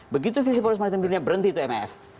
begitu visi poros maritim dunia berhenti itu maf